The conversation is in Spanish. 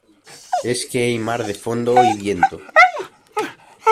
es que hay mar de fondo y viento.